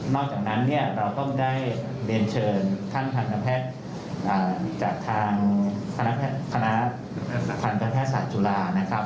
จากนั้นเนี่ยเราต้องได้เรียนเชิญท่านทันตแพทย์จากทางคณะทันตแพทย์ศาสตุลานะครับ